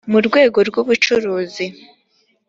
mu rwego rw ubucuruzi